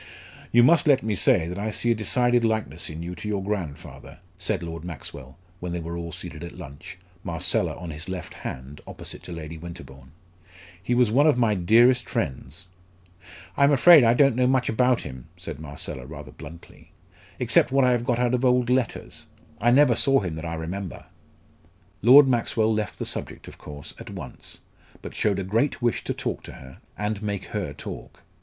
"You must let me say that I see a decided likeness in you to your grandfather," said Lord Maxwell, when they were all seated at lunch, Marcella on his left hand, opposite to Lady Winterbourne. "He was one of my dearest friends." "I'm afraid I don't know much about him," said Marcella, rather bluntly, "except what I have got out of old letters. I never saw him that I remember." Lord Maxwell left the subject, of course, at once, but showed a great wish to talk to her, and make her talk.